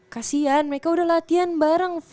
kasian mereka udah latihan bareng